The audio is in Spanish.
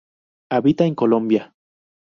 Habita en Colombia.